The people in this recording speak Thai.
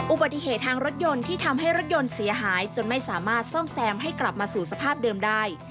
อุบัติเหตุทางรถยนต์ที่ทำให้รถยนต์เสียหายจนไม่สามารถซ่อมแซมให้กลับมาสู่สภาพเดิมได้